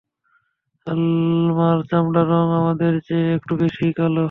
আমার চামড়ার রং আপনাদের চেয়ে একটু বেশিই কালো!